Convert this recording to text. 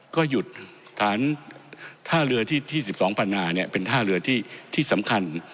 ก็หยุดฐานท่าเรือที่๑๒พันนาเนี่ยเป็นท่าเรือที่สำคัญ